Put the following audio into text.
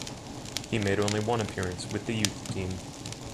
He made only one appearance with the youth team.